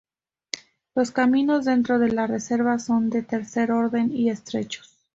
Los caminos dentro de la reserva son de tercer orden y estrechos.